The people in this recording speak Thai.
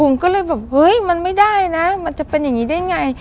ผมก็เลยแบบเฮ้ยมันไม่ได้นะมันจะเป็นอย่างนี้ได้ไง